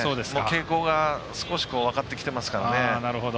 傾向が少し分かってきてますからね。